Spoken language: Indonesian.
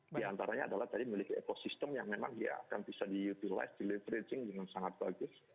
di antaranya adalah tadi memiliki ekosistem yang memang dia akan bisa diutilize di leveraging dengan sangat bagus